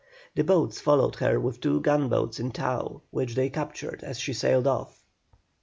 The boats followed her with two gunboats in tow which they captured as she sailed off.